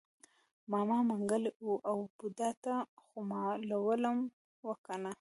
ماما منګلی او بوډا ته خومالوم و کنه.